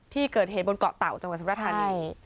ที่เกิดเหตุบนเกาะเต่าจังหวัดสุรธานี